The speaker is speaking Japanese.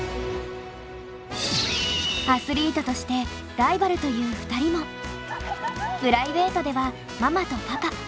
アスリートとしてライバルという２人もプライベートではママとパパ。